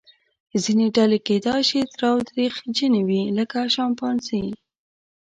ځینې ډلې کیدای شي تاوتریخجنې وي لکه شامپانزې.